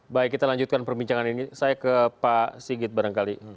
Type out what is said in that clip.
baik kita lanjutkan perbincangan ini saya ke pak sigit barangkali